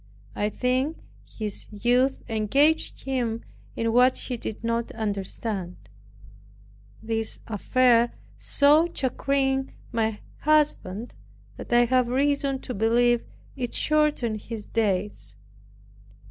I think his youth engaged him in what he did not understand. This affair so chagrined my husband, that I have reason to believe it shortened his days.